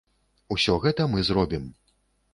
Усё гэта мы зробім.